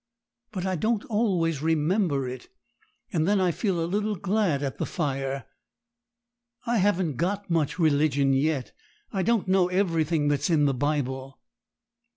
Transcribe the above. But I don't always remember it; and then I feel a little glad at the fire. I haven't got much religion yet. I don't know everything that's in the Bible.'